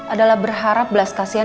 adalah berharap belas kasihan